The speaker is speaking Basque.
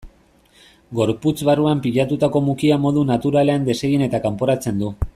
Gorputz barruan pilatutako mukia modu naturalean desegin eta kanporatzen du.